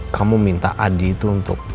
kamu minta adi itu untuk